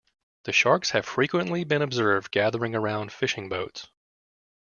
The sharks have frequently been observed gathering around fishing boats.